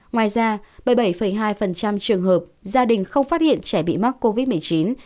ngoài ra bảy mươi bảy hai trường hợp gia đình không phát hiện trẻ bị mắc covid một mươi chín